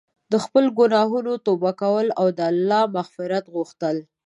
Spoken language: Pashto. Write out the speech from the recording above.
د خپلو ګناهونو توبه کول او د الله مغفرت غوښتل.